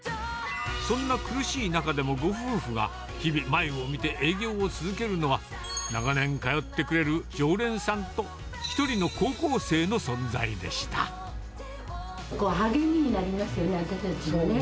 そんな苦しい中でも、ご夫婦が日々前を見て、営業を続けるのは、長年、通ってくれる常連さんと、励みになりますよね、私たちのね。